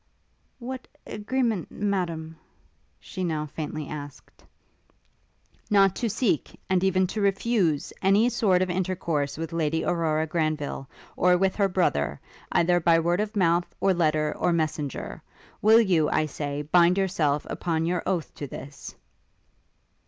'What agreement, Madam?' she now faintly asked. 'Not to seek, and even to refuse, any sort of intercourse with Lady Aurora Granville, or with her brother, either by word of mouth, or letter, or messenger? Will you, I say, bind yourself, upon your oath, to this?'